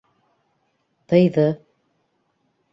Тыйҙы.